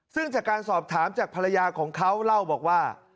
ซึ่งจากการสอบถามจากภรรยาของเขาเล่าบอกว่า